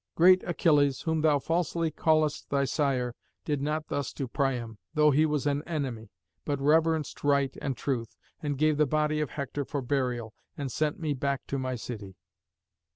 Great Achilles, whom thou falsely callest thy sire, did not thus to Priam, though he was an enemy, but reverenced right and truth, and gave the body of Hector for burial, and sent me back to my city."